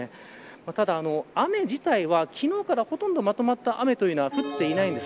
ただ雨自体は昨日からほとんどまとまった雨が降っていないんです。